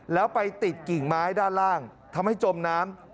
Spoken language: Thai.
แล้วไปติดกิ่งไม้ด้านล่างทำให้จมน้ำ